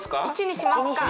１にしますか！